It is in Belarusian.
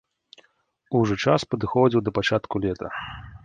Ужо час падыходзіў да пачатку лета.